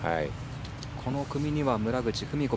この組には村口史子